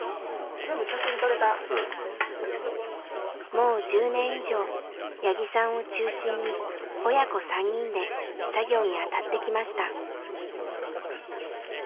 もう１０年以上八木さんを中心に親子３人で作業に当たってきました。